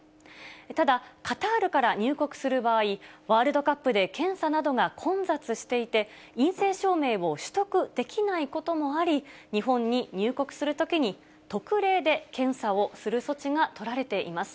ただ、カタールから入国する場合、ワールドカップで検査などが混雑していて、陰性証明を取得できないこともあり、日本に入国するときに、特例で検査をする措置が取られています。